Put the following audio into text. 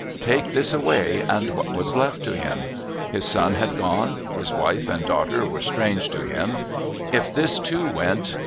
Take this away, and what was left to him? His son had gone, his wife and daughter were strange to him; if this, too, went....